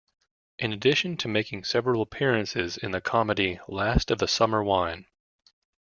In addition to making several appearances in the comedy Last of the Summer Wine.